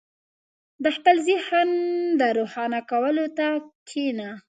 • د خپل ذهن د روښانه کولو ته کښېنه.